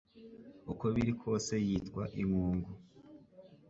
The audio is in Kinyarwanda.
Uko biri kose yitwa inkungu